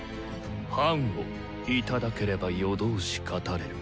判をいただければ夜通し語れる。